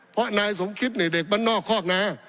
เพราะนายสมคิตเนี่ยเด็กบ้านนอกคอกนา